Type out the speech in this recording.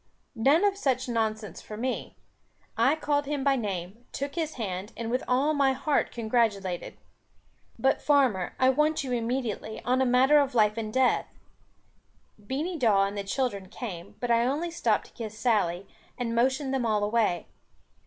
None of such nonsense for me. I called him by name, took his hand, and with all my heart congratulated. "But, farmer, I want you immediately, on a matter of life and death." Beany Dawe and the children came, but I only stopped to kiss Sally, and motioned them all away.